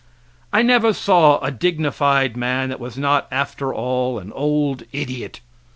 I never saw a dignified man that was not after all an old idiot.